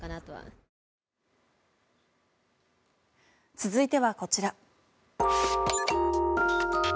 続いてはこちら。